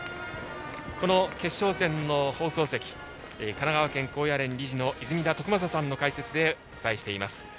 この決勝戦の放送席神奈川県高野連理事の泉田徳正さんの解説でお伝えしています。